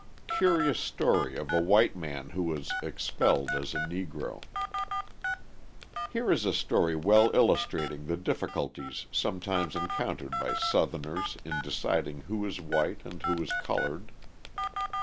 Curious Story of a White Man Who Was Expelled as a Negro Here is a story well illustrating the difficulties sometimes encountered by Southerners in deciding who is white and who is coloured.